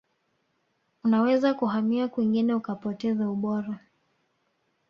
unaweza kuhamia kwingine ukapoteza ubora